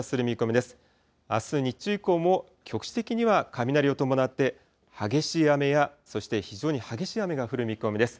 あす日中以降も、局地的には雷を伴って、激しい雨や、そして非常に激しい雨が降る見込みです。